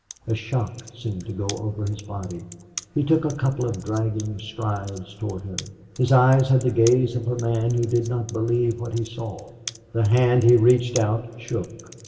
A shock seemed to go over his body. He took a couple of dragging strides toward her. His eyes had the gaze of a man who did not believe what he saw. The hand he reached out shook.